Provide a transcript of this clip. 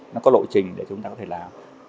nó có lộ trình để chúng ta có thể làm